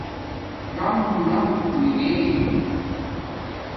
ررَم ہوئئ نے